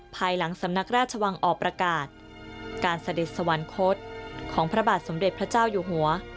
ภายหลังสำนักราชวังออกประกาศการเสด็จสวรรคตของพระบาทสมเด็จพระเจ้าอยู่หัว